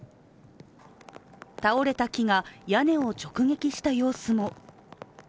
倒れた木が屋根を直撃した様子も。